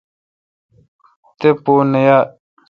تہ پو نہ یال۔